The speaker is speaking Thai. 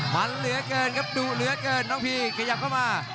มันเหลือเกินครับดุเหลือเกินน้องพีขยับเข้ามา